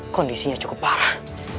kondisinya cukup parah